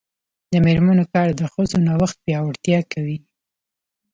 د میرمنو کار د ښځو نوښت پیاوړتیا کوي.